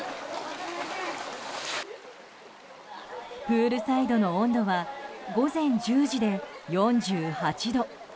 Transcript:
プールサイドの温度は午前１０時で４８度。